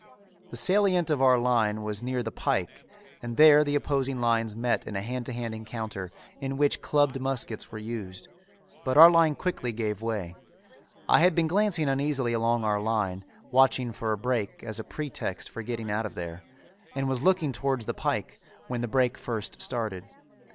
The salient of our line was near the pike and there the opposing lines met in a hand to hand encounter in which clubbed muskets were used, but our line quickly gave way. I had been glancing uneasily along our line, watching for a break as a pretext for getting out of there, and was looking towards the pike when the break first started.